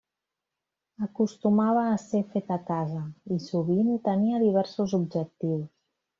Acostumava a ser feta a casa, i sovint tenia diversos objectius.